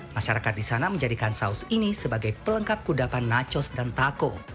masyarakat di sana menjadikan saus ini sebagai pelengkap kudapan nachos dan tako